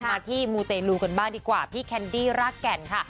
มาที่มูเตลูกันบ้างดีกว่าพี่แคนดี้รากแก่นค่ะ